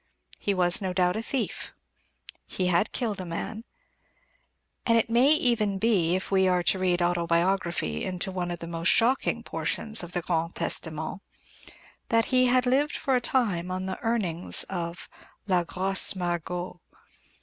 He was, no doubt, a thief; he had killed a man; and it may even be (if we are to read autobiography into one of the most shocking portions of the Grand Testament) that he lived for a time on the earnings of "la grosse Margot."